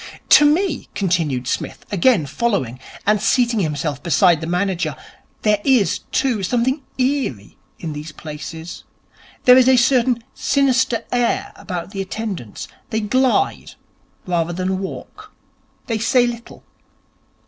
'To me,' continued Psmith, again following, and seating himself beside the manager, 'there is, too, something eerie in these places. There is a certain sinister air about the attendants. They glide rather than walk. They say little.